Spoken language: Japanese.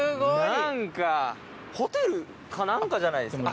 何かホテルか何かじゃないですか？